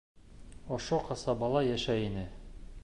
Ошо ҡасабала йәшәй ине.